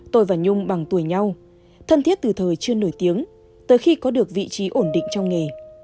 tôi và nhung bằng tuổi nhau thân thiết từ thời chưa nổi tiếng tới khi có được vị trí ổn định trong nghề